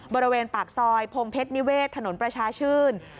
บริเวณปากซอยพงเพชรนิเวศถนนประชาชื่น